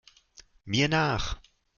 Mir nach!